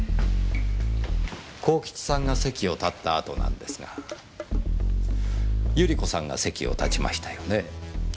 幸吉さんが席を立った後ですがゆり子さんが席を立ちましたね？